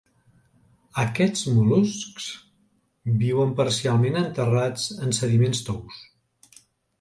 Aquests mol·luscs viuen parcialment enterrats en sediments tous.